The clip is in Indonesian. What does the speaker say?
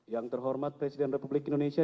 yang terhormat presiden republik indonesia